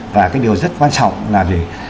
và cái điều rất quan trọng là để